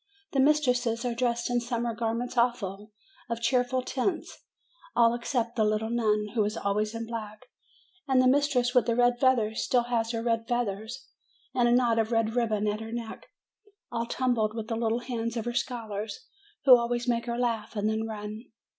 The mistresses are dressed in summer garments also, of cheerful tints all except the "little nun," who is always in black; and the mistress with the red feather still has her red feather, and a knot of red ribbon at her neck, all tumbled with the little hands of her scholars, who always make her laugh and then run.